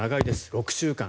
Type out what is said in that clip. ６週間。